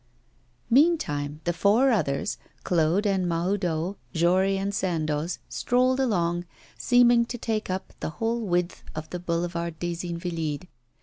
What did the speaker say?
Meantime the four others, Claude and Mahoudeau, Jory and Sandoz, strolled along, seeming to take up the whole width of the Boulevard des Invalides.